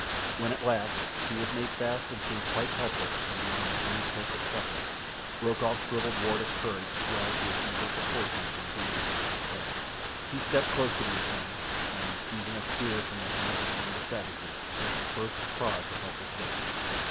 When at last he was made fast and seemed quite helpless and beyond the faintest hope of succour, Rokoff's shrivelled wart of courage swelled to its usual proportions when danger was not present. He stepped close to the ape man, and, seizing a spear from the hands of one of the savages, was the first to prod the helpless victim.